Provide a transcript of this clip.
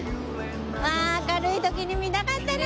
うわあ明るい時に見たかったな。